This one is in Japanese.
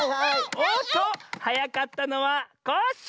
おっとはやかったのはコッシー！